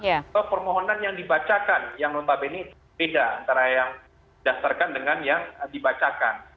atau permohonan yang dibacakan yang notabene beda antara yang dasarkan dengan yang dibacakan